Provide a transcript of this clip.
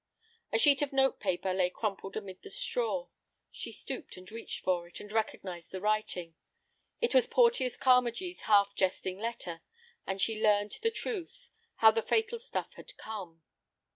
A sheet of note paper lay crumbled amid the straw. She stooped and reached for it, and recognized the writing. It was Porteus Carmagee's half jesting letter, and she learned the truth, how the fatal stuff had come.